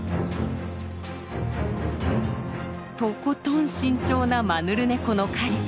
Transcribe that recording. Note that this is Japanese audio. とことん慎重なマヌルネコの狩り。